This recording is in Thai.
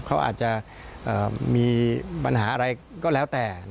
เขาอาจจะมีปัญหาอะไรก็แล้วแต่